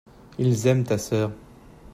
ils aiment ta sœur.